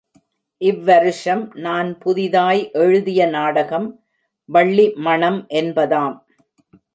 இவ் வருஷம் நான் புதிதாய் எழுதிய நாடகம் வள்ளி மணம் என்பதாம்.